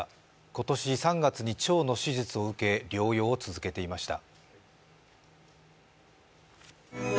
今年３月に腸の手術を受け、療養を続けていました。